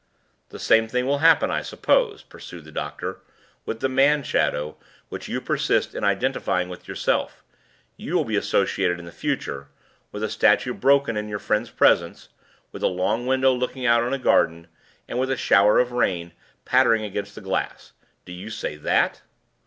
"The same thing will happen, I suppose," pursued the doctor, "with the man shadow which you persist in identifying with yourself. You will be associated in the future with a statue broken in your friend's presence, with a long window looking out on a garden, and with a shower of rain pattering against the glass? Do you say that?"